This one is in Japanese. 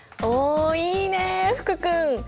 おいいねえ福君！